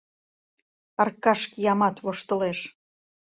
Аркаш, киямат, воштылеш.